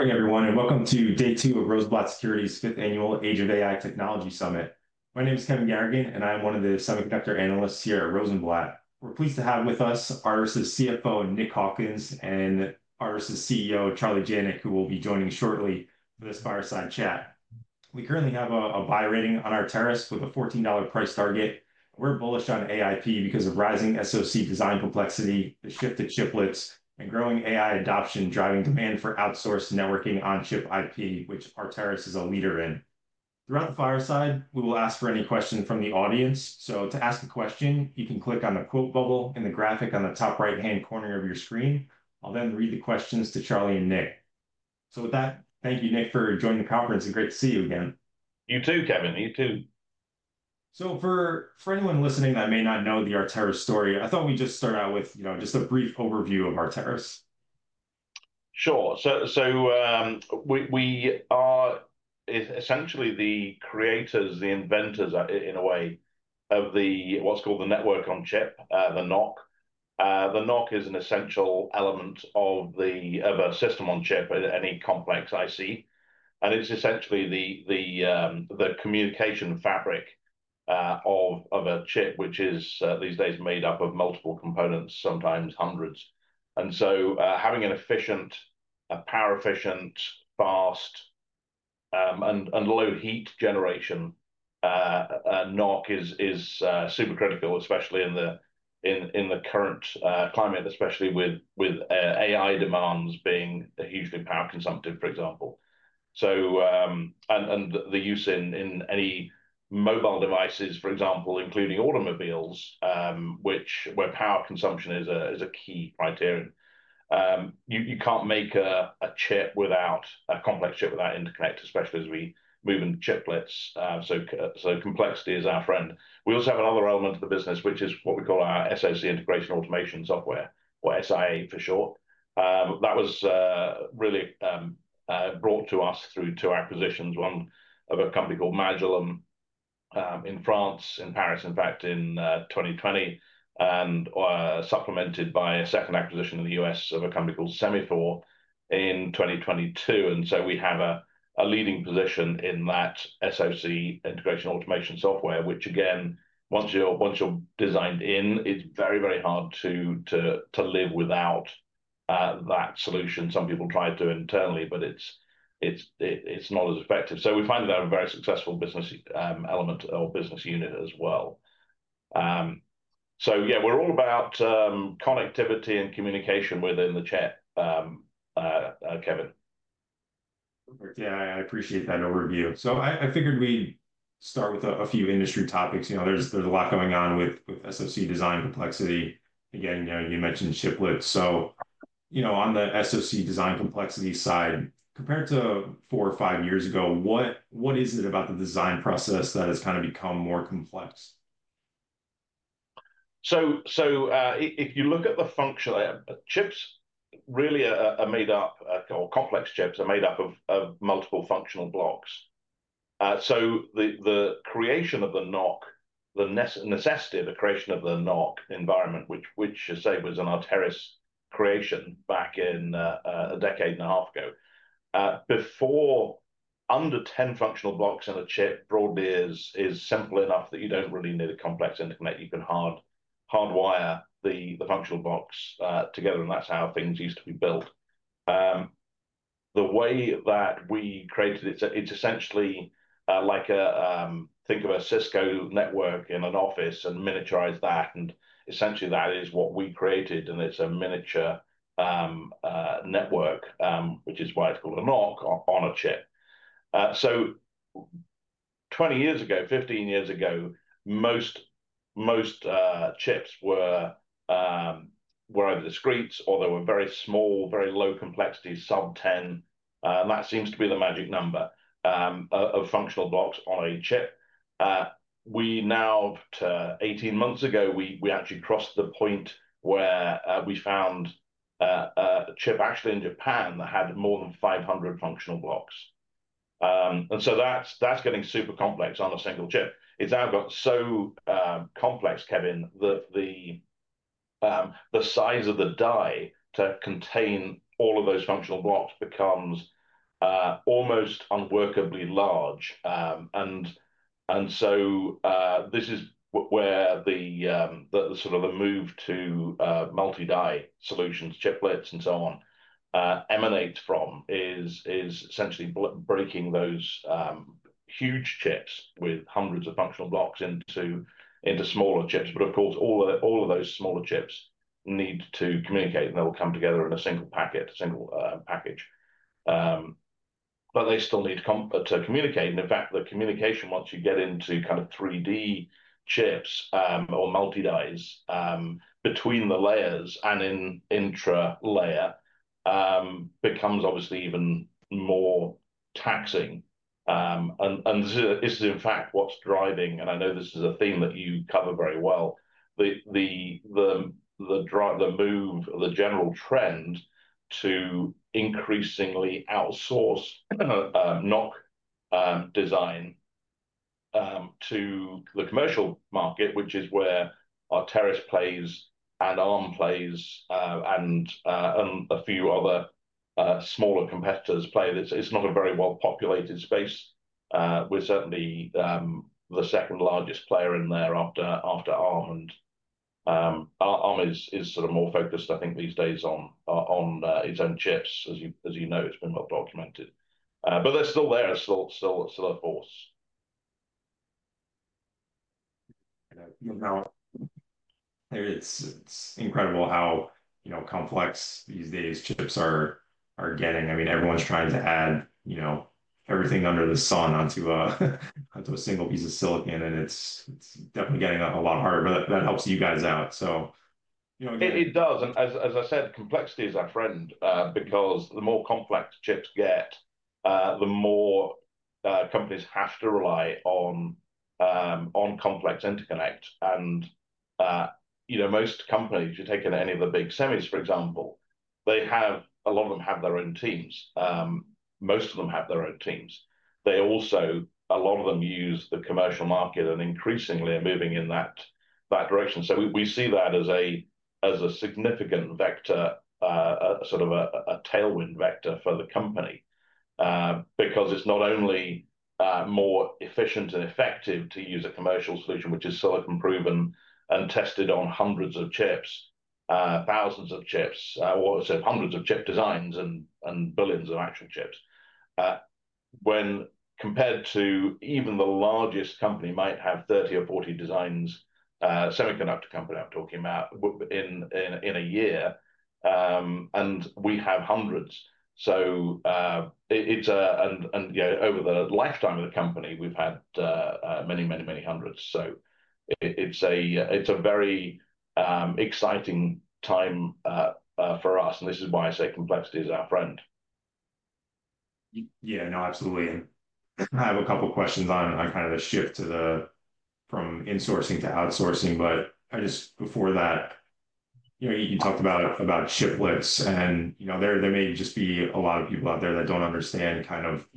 Good morning, everyone, and welcome to Day 2 of Rosenblatt Securities' 5th Annual Age of AI Technology Summit. My name is Kevin Garrigan, and I am one of the semiconductor analysts here at Rosenblatt. We're pleased to have with us Arteris' CFO, Nick Hawkins, and Arteris' CEO, Charlie Janac, who will be joining shortly for this fireside chat. We currently have a buy rating on Arteris with a $14 price target. We're bullish on Arteris because of rising SoC design complexity, the shift to chiplets, and growing AI adoption driving demand for outsourced networking on-chip IP, which Arteris is a leader in. Throughout the fireside, we will ask for any questions from the audience. To ask a question, you can click on the quote bubble in the graphic on the top right-hand corner of your screen. I'll then read the questions to Charlie and Nick. Thank you, Nick, for joining the conference. It's great to see you again. You too, Kevin. You too. For anyone listening that may not know the Arteris story, I thought we'd just start out with, you know, just a brief overview of Arteris. Sure. We are essentially the creators, the inventors, in a way, of what's called the network on chip, the NoC. The NoC is an essential element of a system on chip, any complex IC. It is essentially the communication fabric of a chip, which is these days made up of multiple components, sometimes hundreds. Having an efficient, power-efficient, fast, and low-heat generation NoC is super critical, especially in the current climate, especially with AI demands being hugely power-consumptive, for example. The use in any mobile devices, for example, including automobiles, where power consumption is a key criterion. You can't make a chip without a complex chip without interconnect, especially as we move into chiplets. Complexity is our friend. We also have another element of the business, which is what we call our SoC Integration Automation Software, or SIA for short. That was really brought to us through two acquisitions, one of a company called Magellan in France, in Paris, in fact, in 2020, and supplemented by a second acquisition in the U.S. of a company called Semaphore in 2022. We have a leading position in that SoC Integration Automation Software, which, again, once you're designed in, it's very, very hard to live without that solution. Some people try to internally, but it's not as effective. We find that we have a very successful business element or business unit as well. Yeah, we're all about connectivity and communication within the chip, Kevin. Perfect. Yeah, I appreciate that overview. I figured we'd start with a few industry topics. You know, there's a lot going on with SoC design complexity. Again, you mentioned chiplets. You know, on the SoC design complexity side, compared to four or five years ago, what is it about the design process that has kind of become more complex? If you look at the functional chips, really are made up, or complex chips are made up of multiple functional blocks. The creation of the NoC, the necessity of the creation of the NoC environment, which, as I say, was an Arteris creation back a decade and a half ago, before under 10 functional blocks in a chip broadly is simple enough that you do not really need a complex interconnect. You can hardwire the functional blocks together, and that is how things used to be built. The way that we created it, it is essentially like think of a Cisco network in an office and miniaturize that. Essentially, that is what we created, and it is a miniature network, which is why it is called a NoC on a chip. Twenty years ago, 15 years ago, most chips were over the streets, or they were very small, very low complexity, sub-10. That seems to be the magic number of functional blocks on a chip. We now, eighteen months ago, actually crossed the point where we found a chip actually in Japan that had more than 500 functional blocks. That is getting super complex on a single chip. It has now gotten so complex, Kevin, that the size of the die to contain all of those functional blocks becomes almost unworkably large. This is where the sort of move to multi-die solutions, chiplets, and so on, emanates from, essentially breaking those huge chips with hundreds of functional blocks into smaller chips. Of course, all of those smaller chips need to communicate, and they'll come together in a single package, but they still need to communicate. In fact, the communication, once you get into kind of 3D chips or multi-dies between the layers and in intra-layer, becomes obviously even more taxing. This is, in fact, what's driving, and I know this is a theme that you cover very well, the move, the general trend to increasingly outsource NoC design to the commercial market, which is where Arteris plays and Arm plays, and a few other smaller competitors play. It's not a very well-populated space. We're certainly the second largest player in there after Arm. Arm is sort of more focused, I think, these days on its own chips, as you know. It's been well documented. They're still there. It's still a force. There it is. It's incredible how complex these days chips are getting. I mean, everyone's trying to add everything under the sun onto a single piece of silicon, and it's definitely getting a lot harder. That helps you guys out, so. It does. As I said, complexity is our friend, because the more complex chips get, the more companies have to rely on complex interconnect. Most companies, if you take any of the big semis, for example, a lot of them have their own teams. Most of them have their own teams. They also, a lot of them use the commercial market, and increasingly are moving in that direction. We see that as a significant vector, sort of a tailwind vector for the company, because it is not only more efficient and effective to use a commercial solution, which is silicon-proven and tested on hundreds of chips, thousands of chips, hundreds of chip designs, and billions of actual chips, when compared to even the largest company might have 30 or 40 designs, semiconductor company I am talking about, in a year, and we have hundreds. Over the lifetime of the company, we've had many, many hundreds. It's a very exciting time for us. This is why I say complexity is our friend. Yeah, no, absolutely. I have a couple of questions on kind of the shift from insourcing to outsourcing. Just before that, you talked about chiplets. There may just be a lot of people out there that do not understand kind of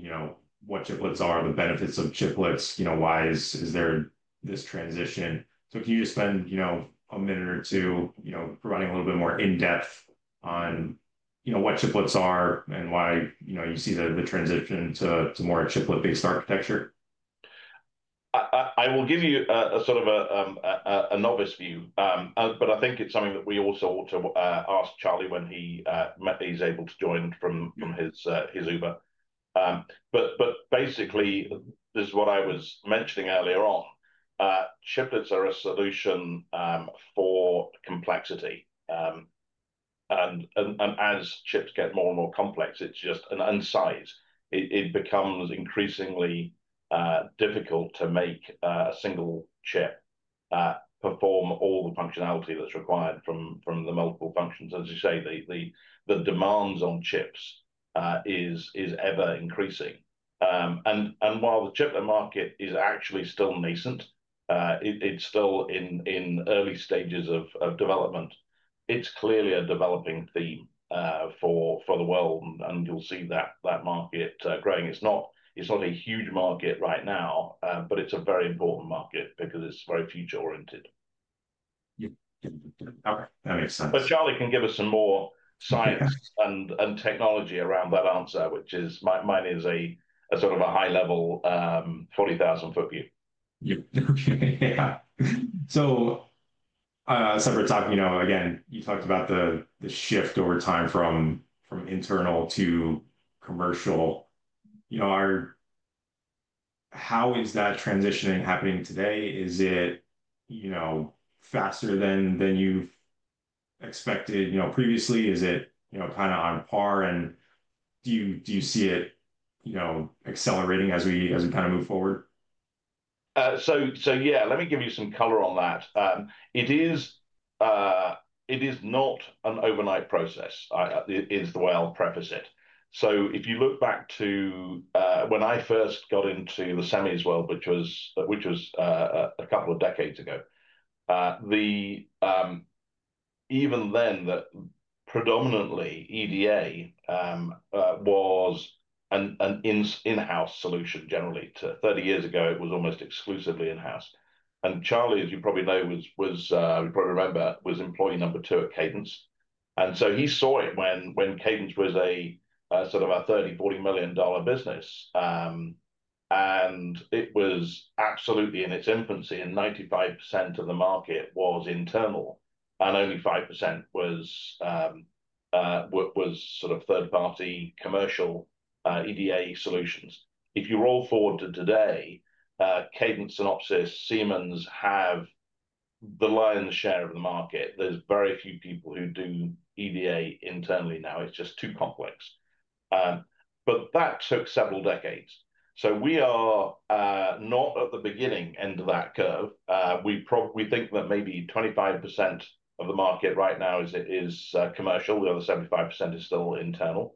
what chiplets are, the benefits of chiplets, why is there this transition. Can you just spend a minute or two providing a little bit more in-depth on what chiplets are and why you see the transition to more chiplet-based architecture? I will give you sort of a novice view, but I think it's something that we also ought to ask Charlie when he's able to join from his Uber. Basically, this is what I was mentioning earlier on. Chiplets are a solution for complexity. As chips get more and more complex, it's just in size. It becomes increasingly difficult to make a single chip perform all the functionality that's required from the multiple functions. As you say, the demands on chips are ever-increasing. While the chiplet market is actually still nascent, it's still in early stages of development, it's clearly a developing theme for the world. You'll see that market growing. It's not a huge market right now, but it's a very important market because it's very future-oriented. Okay, that makes sense. Charlie can give us some more science and technology around that answer, which is mine is a sort of a high-level 40,000-foot view. Yeah. Separate topic, again, you talked about the shift over time from internal to commercial. How is that transitioning happening today? Is it faster than you expected previously? Is it kind of on par? Do you see it accelerating as we kind of move forward? Yeah, let me give you some color on that. It is not an overnight process, is the way I'll preface it. If you look back to when I first got into the semis world, which was a couple of decades ago, even then, predominantly, EDA was an in-house solution, generally. Thirty years ago, it was almost exclusively in-house. And Charlie, as you probably know, you probably remember, was employee number two at Cadence. He saw it when Cadence was a sort of a $30 million-$40 million business. It was absolutely in its infancy, and 95% of the market was internal, and only 5% was sort of third-party commercial EDA solutions. If you roll forward to today, Cadence, Synopsys, Siemens have the lion's share of the market. There are very few people who do EDA internally now. It's just too complex. That took several decades. We are not at the beginning end of that curve. We think that maybe 25% of the market right now is commercial. The other 75% is still internal.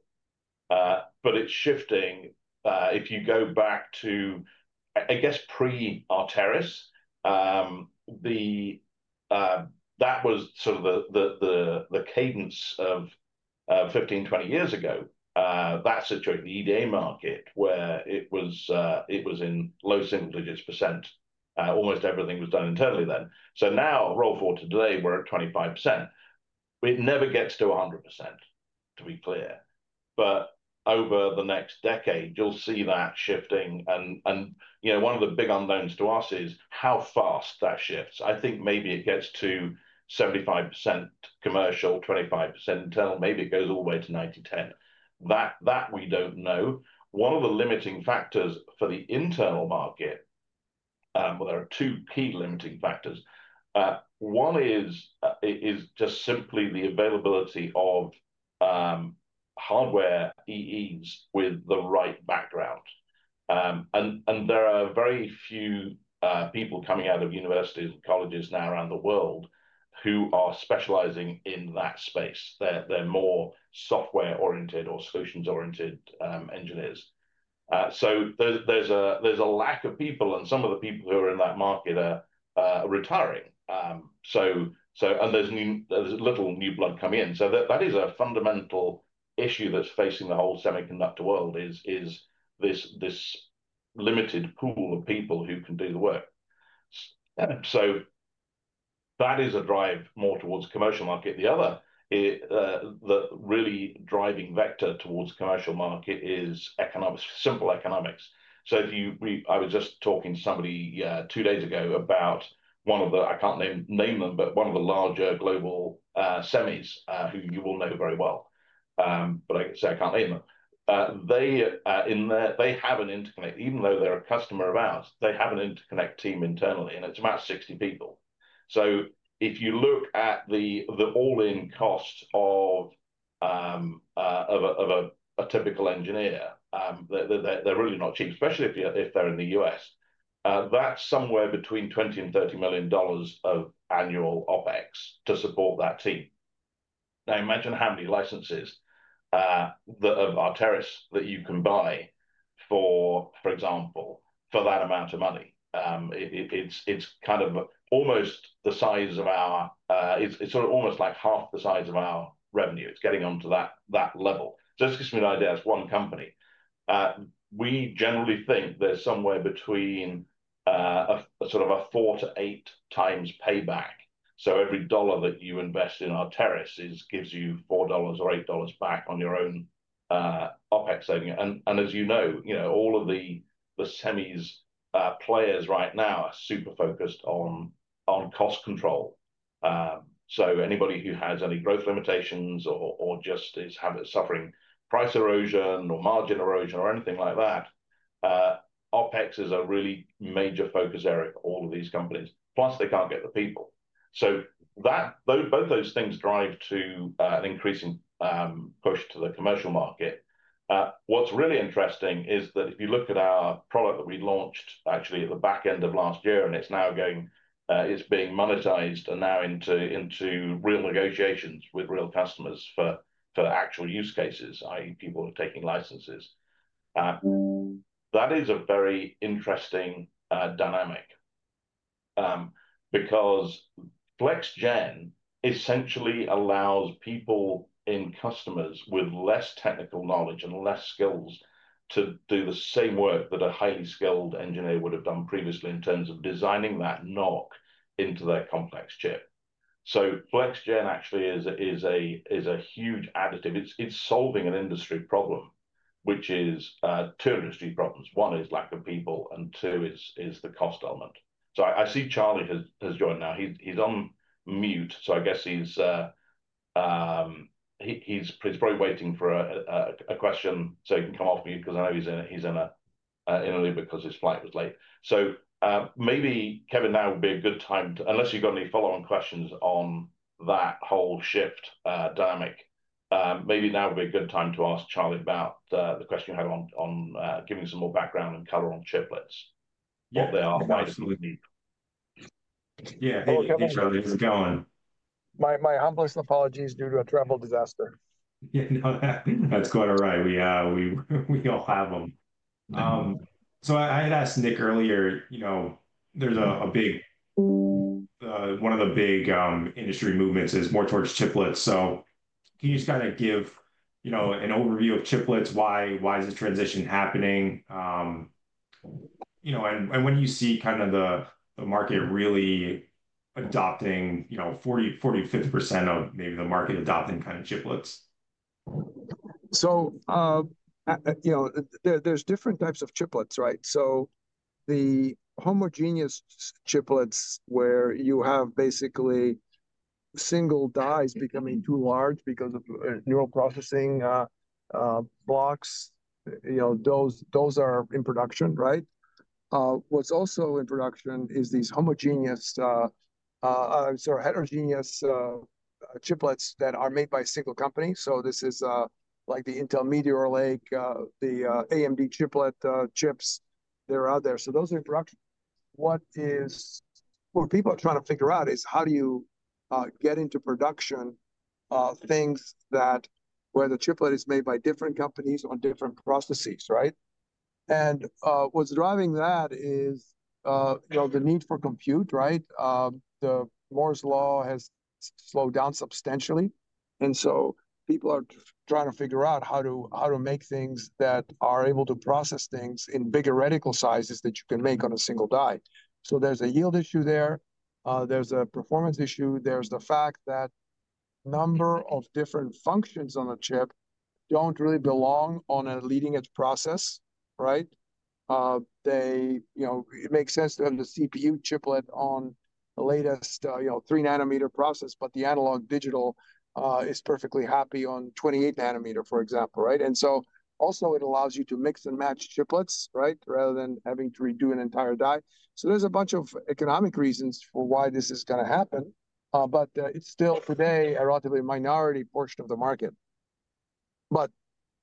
It is shifting. If you go back to, I guess, pre-Arteris, that was sort of the cadence of 15-20 years ago, that situation, the EDA market, where it was in low single digits percent. Almost everything was done internally then. Now, roll forward to today, we are at 25%. It never gets to 100%, to be clear. Over the next decade, you will see that shifting. One of the big unknowns to us is how fast that shifts. I think maybe it gets to 75% commercial, 25% internal. Maybe it goes all the way to 90%-10%. That we do not know. One of the limiting factors for the internal market, well, there are two key limiting factors. One is just simply the availability of hardware EEs with the right background. There are very few people coming out of universities and colleges now around the world who are specializing in that space. They're more software-oriented or solutions-oriented engineers. There's a lack of people, and some of the people who are in that market are retiring. There's little new blood coming in. That is a fundamental issue that's facing the whole semiconductor world, this limited pool of people who can do the work. That is a drive more towards the commercial market. The other really driving vector towards the commercial market is simple economics. I was just talking to somebody two days ago about one of the, I can't name them, but one of the larger global semis, who you will know very well. I can't name them. They have an interconnect, even though they're a customer of ours, they have an interconnect team internally, and it's about 60 people. If you look at the all-in cost of a typical engineer, they're really not cheap, especially if they're in the US. That's somewhere between $20 million and $30 million of annual OpEx to support that team. Now, imagine how many licenses of Arteris that you can buy for, for example, for that amount of money. It's kind of almost the size of our, it's sort of almost like half the size of our revenue. It's getting onto that level. This gives me an idea. It's one company. We generally think there's somewhere between sort of a four to eight times payback. Every dollar that you invest in Arteris gives you $4 or $8 back on your own OpEx saving. As you know, all of the semis players right now are super focused on cost control. Anybody who has any growth limitations or just is suffering price erosion or margin erosion or anything like that, OpEx is a really major focus area for all of these companies. Plus, they can't get the people. Both those things drive to an increasing push to the commercial market. What's really interesting is that if you look at our product that we launched actually at the back end of last year, and it's now going, it's being monetized and now into real negotiations with real customers for actual use cases, i.e., people are taking licenses. That is a very interesting dynamic because FlexGen essentially allows people in customers with less technical knowledge and less skills to do the same work that a highly skilled engineer would have done previously in terms of designing that NoC into that complex chip. FlexGen actually is a huge additive. It is solving an industry problem, which is two industry problems. One is lack of people, and two is the cost element. I see Charlie has joined now. He is on mute, so I guess he is probably waiting for a question so he can come off mute because I know he is in a little bit because his flight was late. Maybe, Kevin, now would be a good time, unless you've got any follow-on questions on that whole shift dynamic, maybe now would be a good time to ask Charlie about the question you had on giving some more background and color on chiplets, what they are. Yeah, hey, Charlie, how's it going? My humblest apologies due to a travel disaster. Yeah, that's quite all right. We all have them. I had asked Nick earlier, there's one of the big industry movements is more towards chiplets. Can you just kind of give an overview of chiplets? Why is the transition happening? When do you see kind of the market really adopting 40%-50% of maybe the market adopting kind of chiplets? There are different types of chiplets, right? The homogeneous chiplets where you have basically single dies becoming too large because of neural processing blocks, those are in production, right? What's also in production is these heterogeneous chiplets that are made by a single company. This is like the Intel Meteor Lake, the AMD chiplet chips that are out there. Those are in production. What people are trying to figure out is how do you get into production things where the chiplet is made by different companies on different processes, right? What's driving that is the need for compute, right? Moore's Law has slowed down substantially. People are trying to figure out how to make things that are able to process things in bigger reticle sizes than you can make on a single die. There is a yield issue there. There's a performance issue. There's the fact that a number of different functions on the chip don't really belong on a leading-edge process, right? It makes sense to have the CPU chiplet on the latest three-nanometer process, but the analog-digital is perfectly happy on 28-nanometer, for example, right? It also allows you to mix and match chiplets, right, rather than having to redo an entire die. There's a bunch of economic reasons for why this is going to happen, but it's still today a relatively minority portion of the market.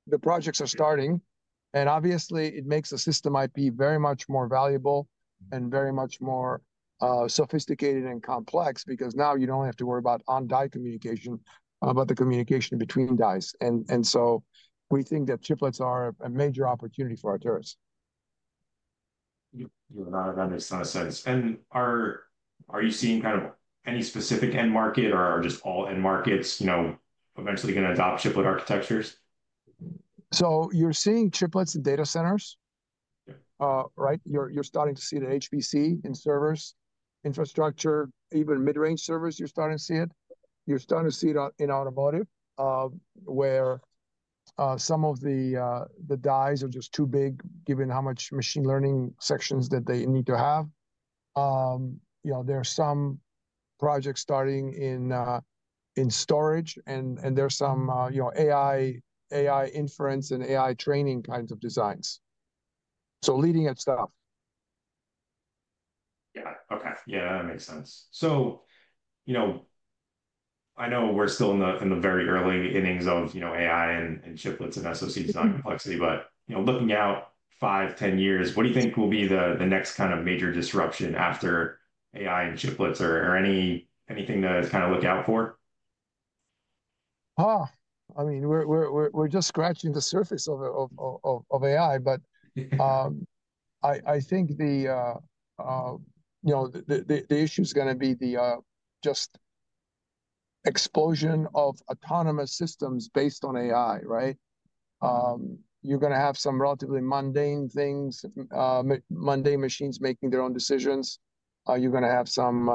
The projects are starting, and obviously, it makes a system IP very much more valuable and very much more sophisticated and complex because now you don't have to worry about on-die communication, but the communication between dies. We think that chiplets are a major opportunity for Arteris. Yeah, that makes a lot of sense. Are you seeing kind of any specific end market or are just all end markets eventually going to adopt chiplet architectures? You're seeing chiplets in data centers, right? You're starting to see it in HPC, in servers, infrastructure, even mid-range servers, you're starting to see it. You're starting to see it in automotive where some of the dies are just too big given how much machine learning sections that they need to have. There are some projects starting in storage, and there's some AI inference and AI training kinds of designs. Leading-edge stuff. Yeah, okay. Yeah, that makes sense. I know we're still in the very early innings of AI and chiplets and SoC design complexity, but looking out 5, 10 years, what do you think will be the next kind of major disruption after AI and chiplets or anything to kind of look out for? I mean, we're just scratching the surface of AI, but I think the issue is going to be just explosion of autonomous systems based on AI, right? You're going to have some relatively mundane things, mundane machines making their own decisions. You're going to have some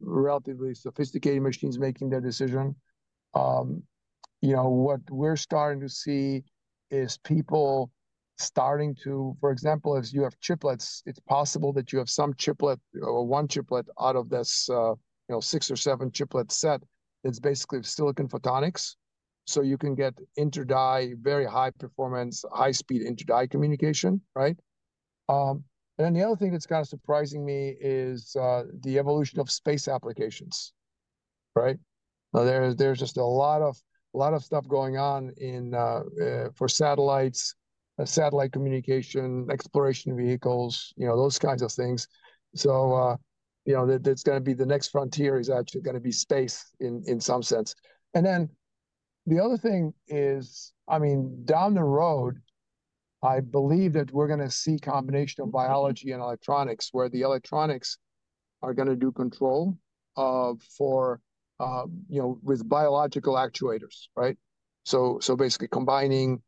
relatively sophisticated machines making their decision. What we're starting to see is people starting to, for example, if you have chiplets, it's possible that you have some chiplet or one chiplet out of this six or seven chiplet set that's basically silicon photonics. You can get inter-die, very high performance, high-speed inter-die communication, right? The other thing that's kind of surprising me is the evolution of space applications, right? There's just a lot of stuff going on for satellites, satellite communication, exploration vehicles, those kinds of things. That's going to be the next frontier, is actually going to be space in some sense. And then the other thing is, I mean, down the road, I believe that we're going to see a combination of biology and electronics where the electronics are going to do control with biological actuators, right? So, basically combining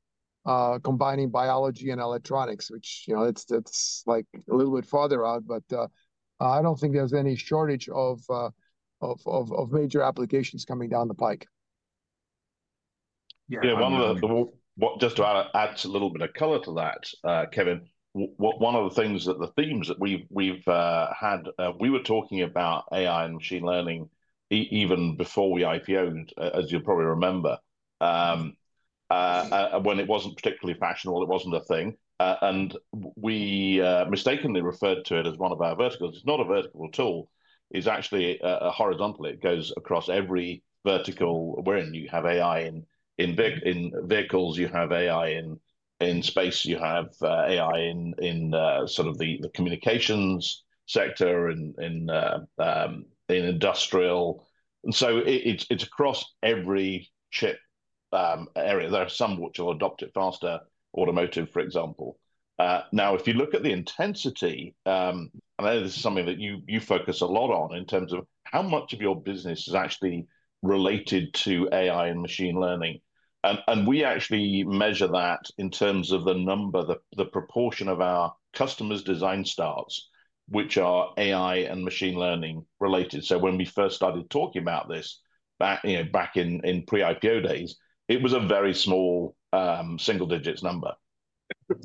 biology and electronics, which that's like a little bit farther out, but I don't think there's any shortage of major applications coming down the pike. Yeah, one of the, just to add a little bit of color to that, Kevin, one of the themes that we've had, we were talking about AI and machine learning even before we IPOed, as you probably remember, when it wasn't particularly fashionable, it wasn't a thing. And we mistakenly referred to it as one of our verticals. It's not a vertical at all. It's actually a horizontal. It goes across every vertical we're in. You have AI in vehicles, you have AI in space, you have AI in sort of the communications sector, in industrial. It's across every chip area. There are some which will adopt it faster, automotive, for example. Now, if you look at the intensity, and I know this is something that you focus a lot on in terms of how much of your business is actually related to AI and machine learning. We actually measure that in terms of the number, the proportion of our customers' design starts, which are AI and machine learning related. When we first started talking about this back in pre-IPO days, it was a very small single-digit number,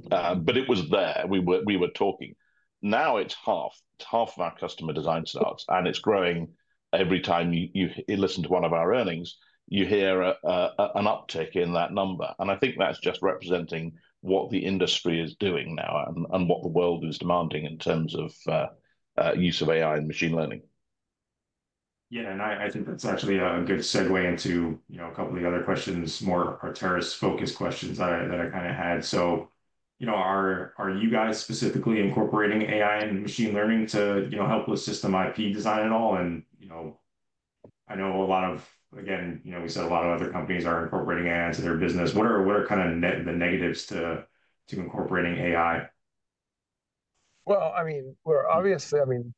but it was there. We were talking. Now, it is half of our customer design starts, and it is growing every time you listen to one of our earnings, you hear an uptick in that number. I think that is just representing what the industry is doing now and what the world is demanding in terms of use of AI and machine learning. I think that is actually a good segue into a couple of the other questions, more Arteris-focused questions that I kind of had. Are you guys specifically incorporating AI and machine learning to help with system IP design at all? I know a lot of, again, we said a lot of other companies are incorporating AI into their business. What are kind of the negatives to incorporating AI? I mean, we're obviously, I mean,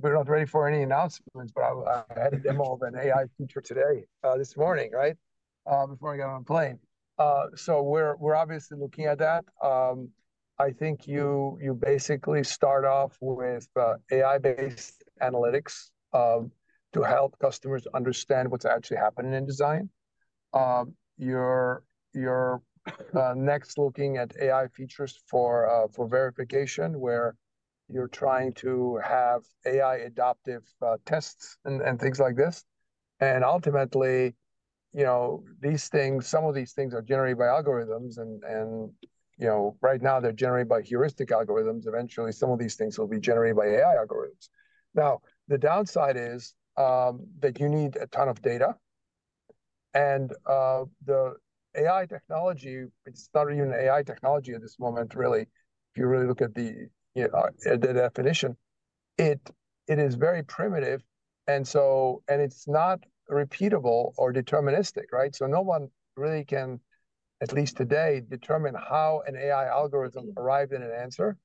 we're not ready for any announcements, but I had a demo of an AI feature today, this morning, right, before I got on the plane. We're obviously looking at that. I think you basically start off with AI-based analytics to help customers understand what's actually happening in design. You're next looking at AI features for verification where you're trying to have AI adaptive tests and things like this. Ultimately, some of these things are generated by algorithms, and right now, they're generated by heuristic algorithms. Eventually, some of these things will be generated by AI algorithms. The downside is that you need a ton of data, and the AI technology, it's not even AI technology at this moment, really. If you really look at the definition, it is very primitive, and it's not repeatable or deterministic, right? No one really can, at least today, determine how an AI algorithm arrived in an answer.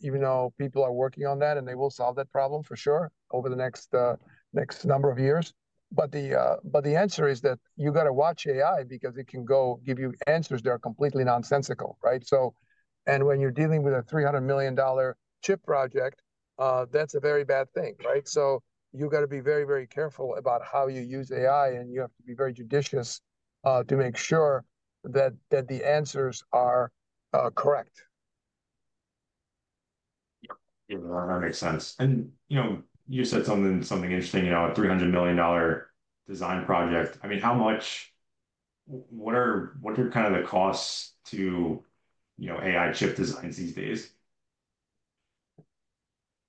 Even though people are working on that, and they will solve that problem for sure over the next number of years, the answer is that you got to watch AI because it can go give you answers that are completely nonsensical, right? When you're dealing with a $300 million chip project, that's a very bad thing, right? You got to be very, very careful about how you use AI, and you have to be very judicious to make sure that the answers are correct. Yeah, that makes sense. You said something interesting, a $300 million design project. I mean, what are kind of the costs to AI chip designs these days?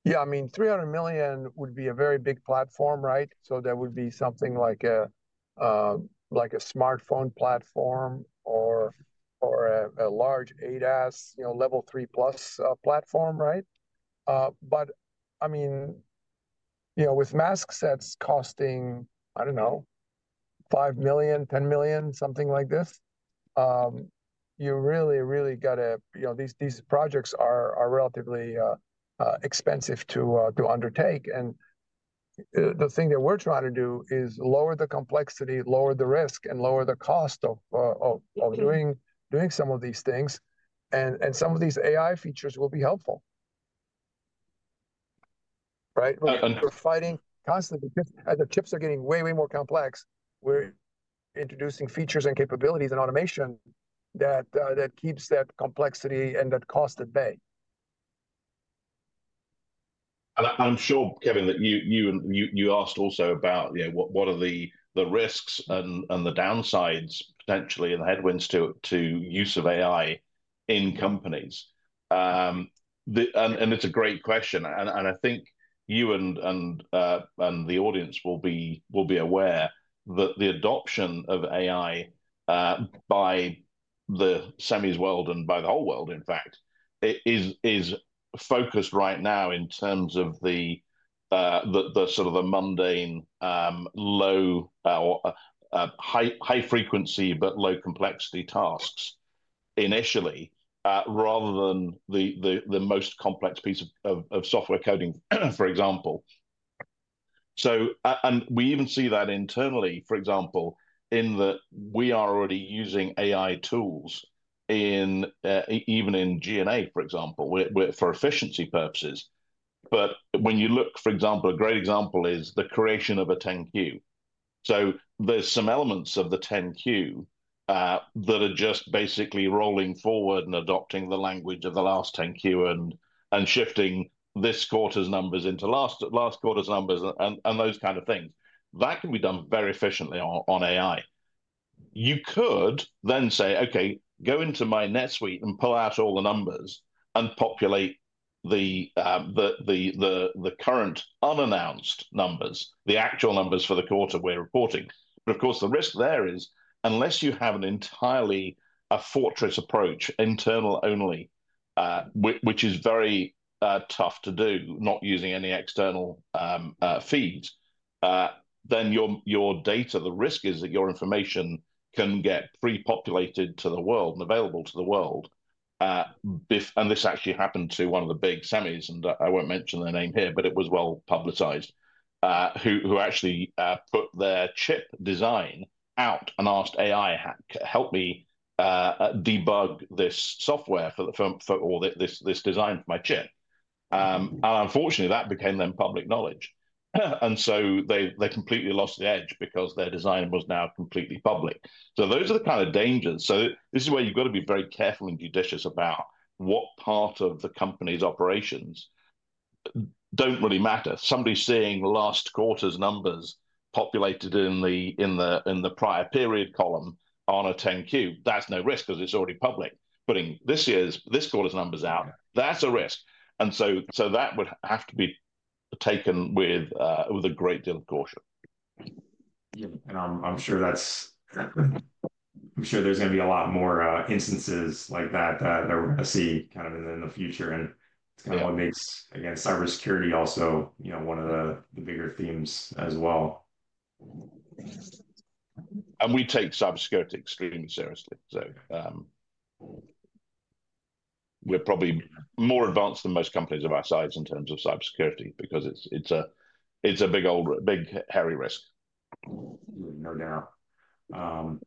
Yeah, I mean, $300 million would be a very big platform, right? That would be something like a smartphone platform or a large ADAS level three plus platform, right? I mean, with mask sets costing, I do not know, $5 million, $10 million, something like this, you really, really got to, these projects are relatively expensive to undertake. The thing that we are trying to do is lower the complexity, lower the risk, and lower the cost of doing some of these things. Some of these AI features will be helpful, right? We are fighting constantly because as the chips are getting way, way more complex, we are introducing features and capabilities and automation that keeps that complexity and that cost at bay. I'm sure, Kevin, that you asked also about what are the risks and the downsides potentially and the headwinds to use of AI in companies. It's a great question. I think you and the audience will be aware that the adoption of AI by the semi's world and by the whole world, in fact, is focused right now in terms of the sort of the mundane low high frequency, but low complexity tasks initially, rather than the most complex piece of software coding, for example. We even see that internally, for example, in that we are already using AI tools even in GNA, for example, for efficiency purposes. When you look, for example, a great example is the creation of a 10Q. There are some elements of the 10Q that are just basically rolling forward and adopting the language of the last 10Q and shifting this quarter's numbers into last quarter's numbers and those kind of things. That can be done very efficiently on AI. You could then say, okay, go into my NetSuite and pull out all the numbers and populate the current unannounced numbers, the actual numbers for the quarter we are reporting. Of course, the risk there is unless you have an entirely fortress approach, internal only, which is very tough to do, not using any external feeds, then your data, the risk is that your information can get pre-populated to the world and available to the world. This actually happened to one of the big semis, and I will not mention their name here, but it was well publicized, who actually put their chip design out and asked AI, help me debug this software for this design for my chip. Unfortunately, that became then public knowledge. They completely lost the edge because their design was now completely public. Those are the kind of dangers. This is where you have to be very careful and judicious about what part of the company's operations do not really matter. Somebody seeing last quarter's numbers populated in the prior period column on a 10Q, that is no risk because it is already public. Putting this year's this quarter's numbers out, that is a risk. That would have to be taken with a great deal of caution. Yeah, and I'm sure that's exactly, I'm sure there's going to be a lot more instances like that that we're going to see kind of in the future. It's kind of what makes, again, cybersecurity also one of the bigger themes as well. We take cybersecurity extremely seriously. We're probably more advanced than most companies of our size in terms of cybersecurity because it's a big hairy risk. No doubt.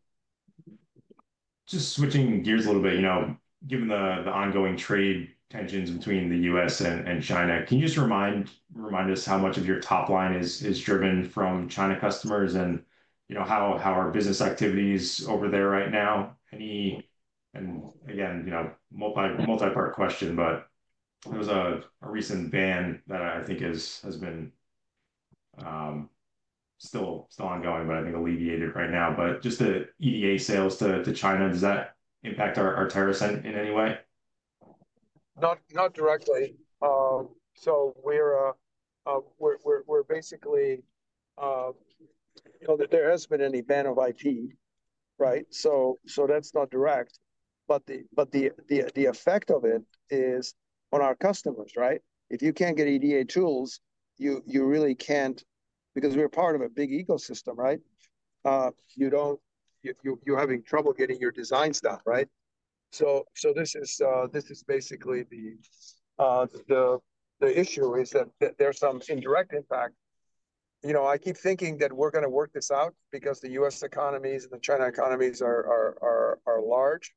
Just switching gears a little bit, given the ongoing trade tensions between the U.S. and China, can you just remind us how much of your top line is driven from China customers and how are business activities over there right now? Again, multi-part question, but there was a recent ban that I think has been still ongoing, but I think alleviated right now. Just the EDA sales to China, does that impact Arteris in any way? Not directly. We're basically, there hasn't been any ban of IP, right? That's not direct. The effect of it is on our customers, right? If you can't get EDA tools, you really can't, because we're part of a big ecosystem, right? You're having trouble getting your designs done, right? This is basically the issue, that there's some indirect impact. I keep thinking that we're going to work this out because the U.S. economies and the China economies are large,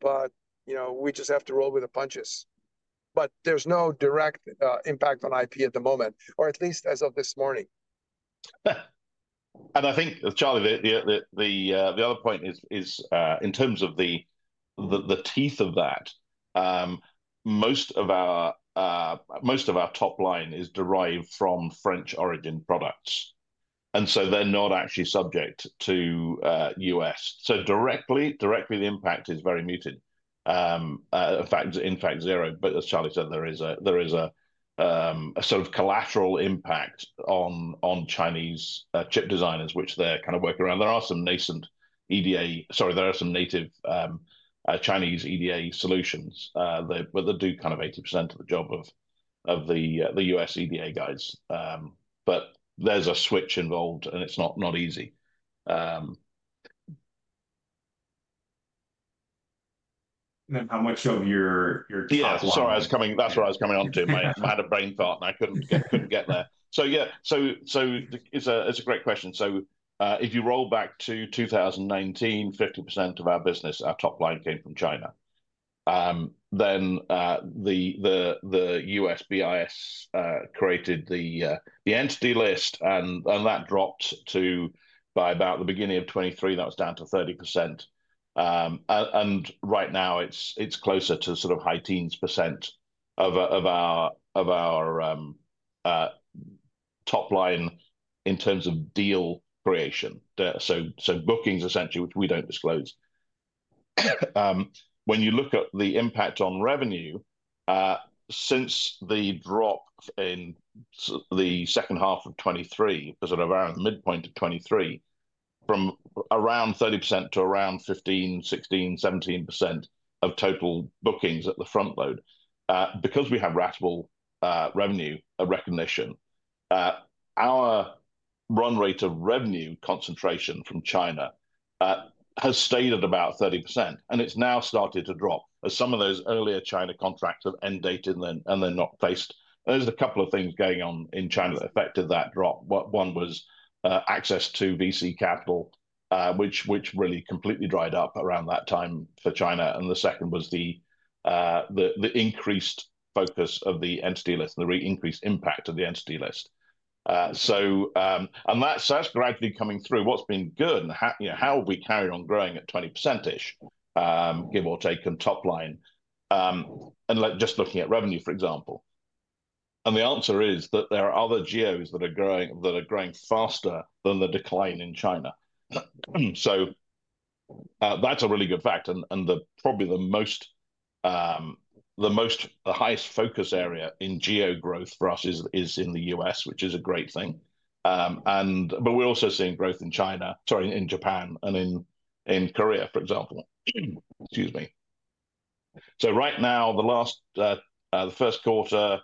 but we just have to roll with the punches. There's no direct impact on IP at the moment, or at least as of this morning. I think, Charlie, the other point is in terms of the teeth of that, most of our top line is derived from French origin products. They are not actually subject to U.S. So, directly, the impact is very muted. In fact, zero, but as Charlie said, there is a sort of collateral impact on Chinese chip designers, which they are kind of working around. There are some nascent EDA, sorry, there are some native Chinese EDA solutions, but they do kind of 80% of the job of the U.S. EDA guys. There is a switch involved, and it is not easy. How much of your top line? Yeah, sorry, that's where I was coming on to. I had a brain thought, and I couldn't get there. Yeah, it's a great question. If you roll back to 2019, 50% of our business, our top line, came from China. Then the U.S. BIS created the entity list, and that dropped to, by about the beginning of 2023, that was down to 30%. Right now, it's closer to sort of high teens % of our top line in terms of deal creation. Bookings, essentially, which we don't disclose. When you look at the impact on revenue, since the drop in the second half of 2023, because around the midpoint of 2023, from around 30% to around 15-17% of total bookings at the front load, because we have ratable revenue recognition, our run rate of revenue concentration from China has stayed at about 30%. It has now started to drop, as some of those earlier China contracts have end dated, and they are not replaced. There are a couple of things going on in China that affected that drop. One was access to VC capital, which really completely dried up around that time for China. The second was the increased focus of the entity list and the increased impact of the entity list. That is gradually coming through. What has been good? How have we carried on growing at 20%-ish, give or take, on top line? Just looking at revenue, for example. The answer is that there are other GOs that are growing faster than the decline in China. That is a really good fact. Probably the highest focus area in GO growth for us is in the U.S., which is a great thing. We're also seeing growth in Japan and in Korea, for example. Excuse me. Right now, the first quarter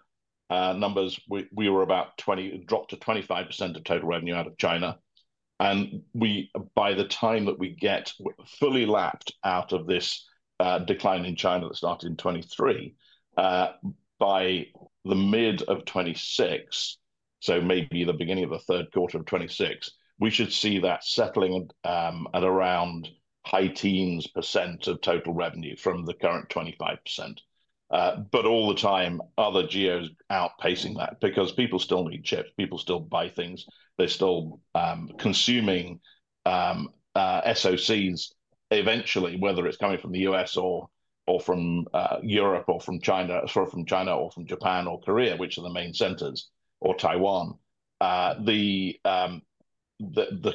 numbers, we were about dropped to 25% of total revenue out of China. By the time that we get fully lapped out of this decline in China that started in 2023, by the mid of 2026, so maybe the beginning of the third quarter of 2026, we should see that settling at around high teens percent of total revenue from the current 25%. All the time, other GOs outpacing that because people still need chips. People still buy things. They're still consuming SoCs eventually, whether it's coming from the U.S. or from Europe or from China, from China or from Japan or Korea, which are the main centers, or Taiwan. The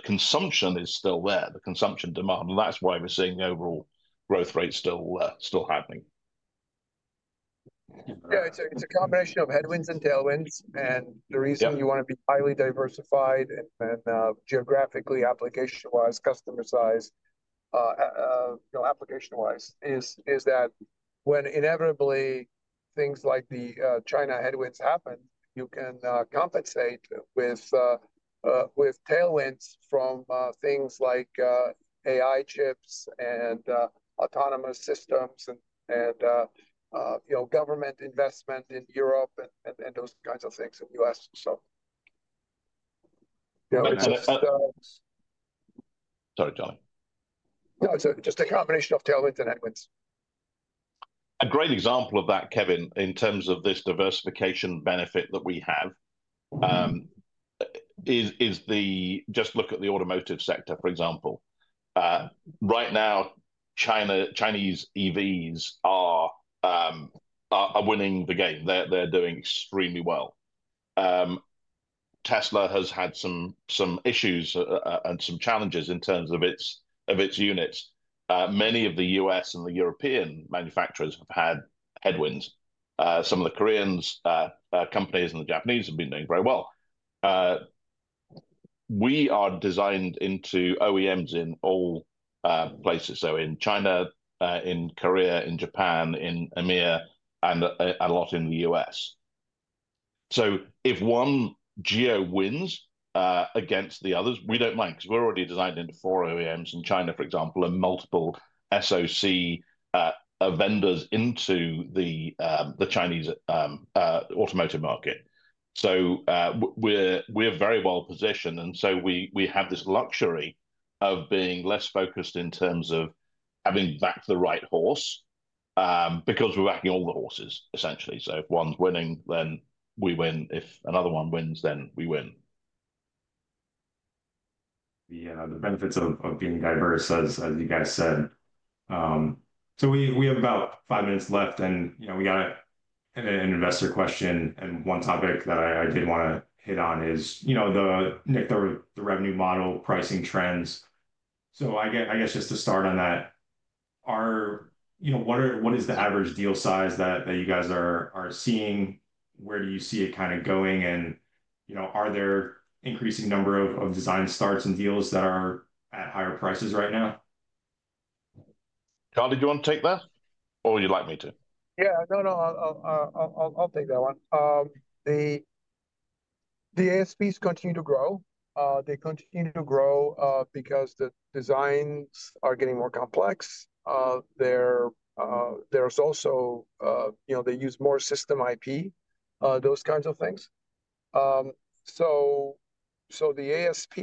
consumption is still there, the consumption demand. That is why we are seeing the overall growth rate still happening. Yeah, it is a combination of headwinds and tailwinds. The reason you want to be highly diversified and geographically application-wise, customer-size, application-wise is that when inevitably things like the China headwinds happen, you can compensate with tailwinds from things like AI chips and autonomous systems and government investment in Europe and those kinds of things in the US. Sorry, Charlie. No, just a combination of tailwinds and headwinds. A great example of that, Kevin, in terms of this diversification benefit that we have is just look at the automotive sector, for example. Right now, Chinese EVs are winning the game. They're doing extremely well. Tesla has had some issues and some challenges in terms of its units. Many of the US and the European manufacturers have had headwinds. Some of the Korean companies and the Japanese have been doing very well. We are designed into OEMs in all places. In China, in Korea, in Japan, in EMEA, and a lot in the U.S. If one OEM wins against the others, we do not mind because we're already designed into four OEMs in China, for example, and multiple SoC vendors into the Chinese automotive market. We're very well positioned. We have this luxury of being less focused in terms of having backed the right horse because we're backing all the horses, essentially. If one's winning, then we win. If another one wins, then we win. Yeah. The benefits of being diverse, as you guys said. We have about five minutes left. We got an investor question. One topic that I did want to hit on is the revenue model, pricing trends. I guess just to start on that, what is the average deal size that you guys are seeing? Where do you see it kind of going? Are there an increasing number of design starts and deals that are at higher prices right now? Charlie, do you want to take that, or would you like me to? Yeah. No, no, I'll take that one. The ASPs continue to grow. They continue to grow because the designs are getting more complex. There's also they use more system IP, those kinds of things. The ASP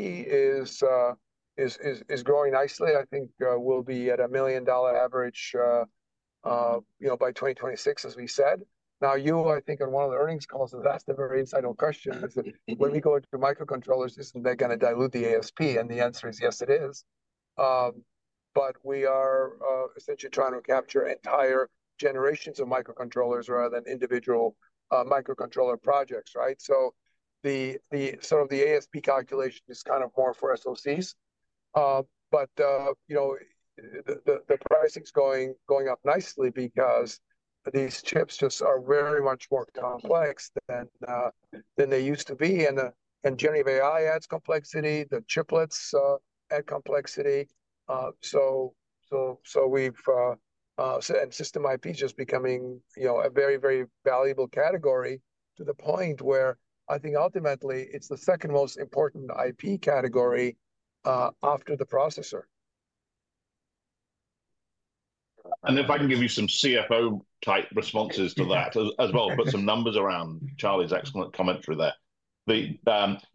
is growing nicely. I think we'll be at a $1 million average by 2026, as we said. Now, you, I think, on one of the earnings calls, that's the very inside question. When we go into microcontrollers, isn't that going to dilute the ASP? The answer is yes, it is. We are essentially trying to capture entire generations of microcontrollers rather than individual microcontroller projects, right? The ASP calculation is kind of more for SoCs. The pricing's going up nicely because these chips just are very much more complex than they used to be. Generative AI adds complexity. The chiplets add complexity. System IP is just becoming a very, very valuable category to the point where I think ultimately it's the second most important IP category after the processor. If I can give you some CFO-type responses to that as well, put some numbers around Charlie's excellent commentary there.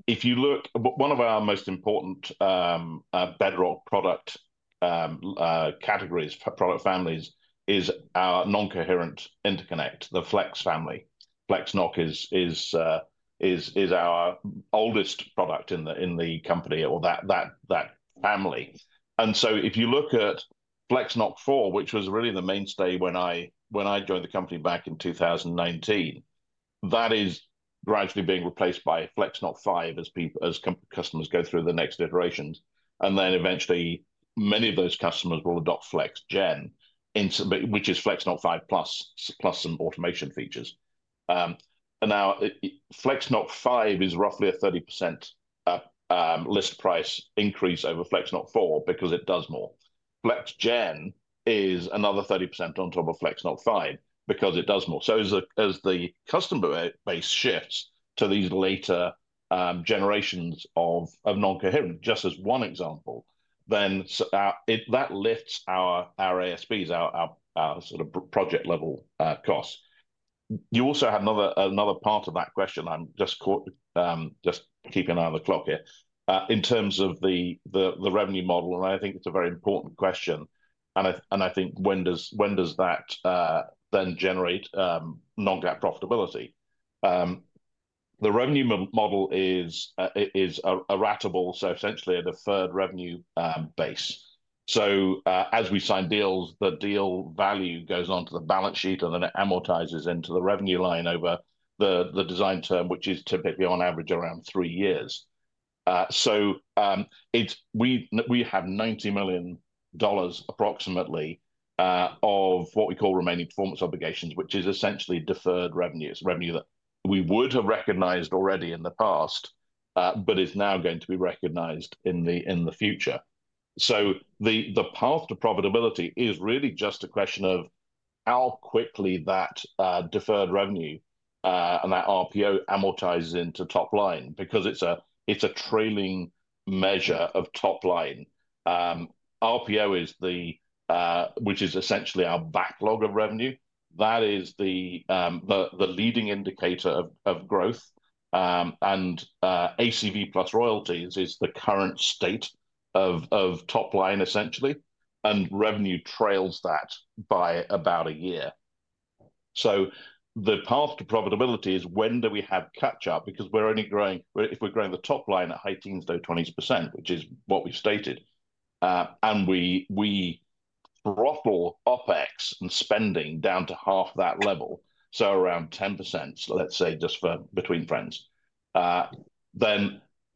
If you look, one of our most important bedrock product categories, product families is our non-coherent interconnect, the Flex family. FlexNoC is our oldest product in the company, or that family. If you look at FlexNoC 4, which was really the mainstay when I joined the company back in 2019, that is gradually being replaced by FlexNoC 5 as customers go through the next iterations. Eventually, many of those customers will adopt FlexGen, which is FlexNoC 5 plus some automation features. FlexNoC 5 is roughly a 30% list price increase over FlexNoC 4 because it does more. FlexGen is another 30% on top of FlexNoC 5 because it does more. As the customer base shifts to these later generations of non-coherent, just as one example, that lifts our ASPs, our sort of project-level costs. You also have another part of that question. I am just keeping an eye on the clock here in terms of the revenue model. I think it is a very important question. I think when does that then generate non-GAAP profitability? The revenue model is ratable, so essentially a deferred revenue base. As we sign deals, the deal value goes onto the balance sheet and then it amortizes into the revenue line over the design term, which is typically on average around three years. We have approximately $90 million of what we call remaining performance obligations, which is essentially deferred revenues, revenue that we would have recognized already in the past, but is now going to be recognized in the future. The path to profitability is really just a question of how quickly that deferred revenue and that RPO amortizes into top line because it's a trailing measure of top line. RPO, which is essentially our backlog of revenue, that is the leading indicator of growth. ACV plus royalties is the current state of top line, essentially. Revenue trails that by about a year. The path to profitability is when do we have catch-up? Because we're only growing, if we're growing the top line at high teens, low 20%, which is what we stated. We throttle OpEx and spending down to half that level, so around 10%, let's say, just between friends.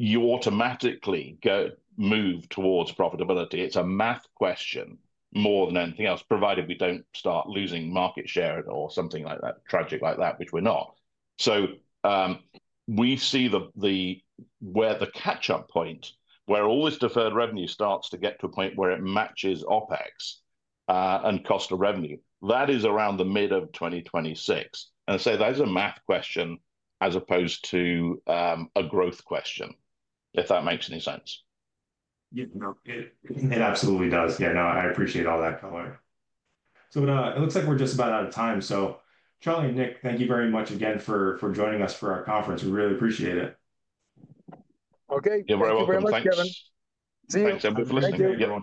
You automatically move towards profitability. It's a math question more than anything else, provided we don't start losing market share or something like that, tragic like that, which we're not. We see where the catch-up point, where all this deferred revenue starts to get to a point where it matches OpEx and cost of revenue, that is around the middle of 2026. I say that is a math question as opposed to a growth question, if that makes any sense. It absolutely does. Yeah, no, I appreciate all that, color. It looks like we're just about out of time. Charlie and Nick, thank you very much again for joining us for our conference. We really appreciate it. Okay.Thank you very much, Kevin. See you. Thanks. Have a good listen. Thank you.